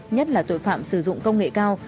nhất là tội phạm sử dụng công nghệ cao